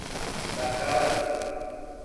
Tacaratu